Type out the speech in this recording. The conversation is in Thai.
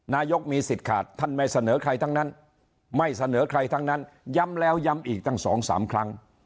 นายกมีสิทธิ์ขาดท่านไม่เสนอใครทั้งนั้นไม่เสนอใครทั้งนั้นย้ำแล้วย้ำอีกตั้ง๒๓ครั้ง